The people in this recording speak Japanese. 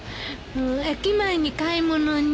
駅前に買い物に。